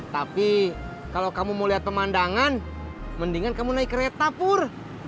tapi kalau kamu mau lihat pemandangan mendingan kamu naik kereta pur